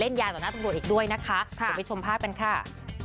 ยาต่อหน้าตำรวจอีกด้วยนะคะเดี๋ยวไปชมภาพกันค่ะ